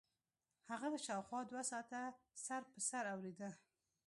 هغه به شاوخوا دوه ساعته سر په سر اورېده.